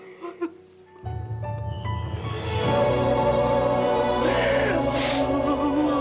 aku menangis suku tak mampu berkata